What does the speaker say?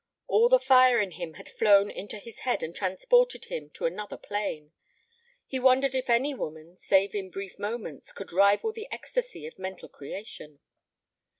All the fire in him had flown to his head and transported him to another plane; he wondered if any woman, save in brief moments, could rival the ecstasy of mental creation.